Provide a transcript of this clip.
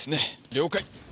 了解。